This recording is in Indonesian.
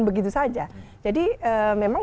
begitu saja jadi memang